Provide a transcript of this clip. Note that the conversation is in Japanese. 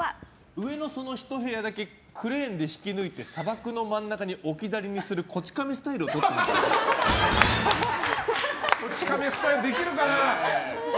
上のそのひと部屋だけクレーンで引き抜いて砂漠の真ん中に置き去りにする「こち亀」スタイルを「こち亀」スタイルできるかな。